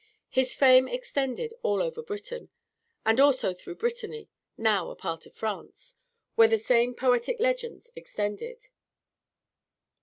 His fame extended over all Britain, and also through Brittany, now a part of France, where the same poetic legends extended.